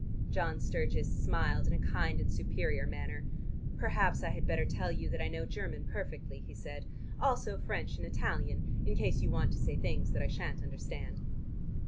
John Sturgis smiled in a kind and superior manner. "Perhaps I had better tell you that I know German perfectly," he said. "Also French and Italian, in case you want to say things that I shan't understand."